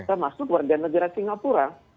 termasuk warga negara singapura